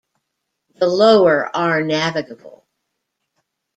The lower are navigable.